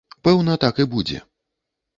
Пэўна, так і будзе.